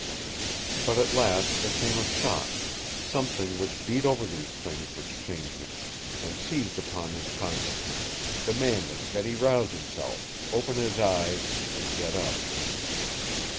But at last there came a shock, something which beat over these things which chained him, and seized upon his consciousness, demanding that he rouse himself, open his eyes, and get up.